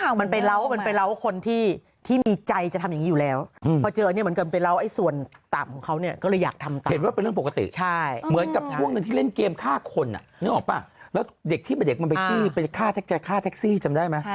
ความไปจี้ไปฆ่าแท็กซี่จำได้ไหม